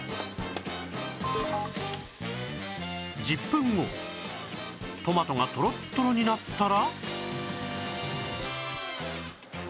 １０分後トマトがとろっとろになったら